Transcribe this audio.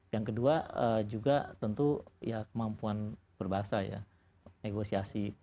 yang kedua juga tentu ya kemampuan berbahasa ya negosiasi